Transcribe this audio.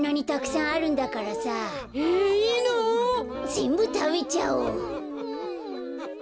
ぜんぶたべちゃおう。